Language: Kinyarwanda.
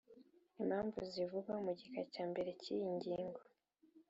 Impamvu zivugwa mu gika cya mbere cy’ iyi ngingo